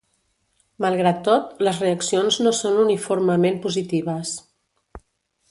Malgrat tot, les reaccions no són uniformement positives.